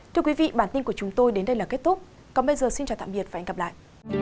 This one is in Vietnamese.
thưa quý vị bản tin của chúng tôi đến đây là kết thúc còn bây giờ xin chào tạm biệt và hẹn gặp lại